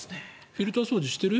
フィルター掃除してる？